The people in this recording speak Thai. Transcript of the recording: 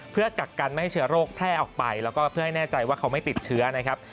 เพื่อกักกันไม่ให้เชื้อโรคแพร่ออกไปแล้วก็เพื่อให้แน่ใจว่าเขาไม่ติดเชื้อนะครับ